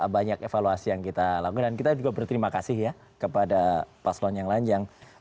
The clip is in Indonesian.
banyak evaluasi yang kita lakukan dan kita juga berterima kasih ya kepada paslon yang lanjang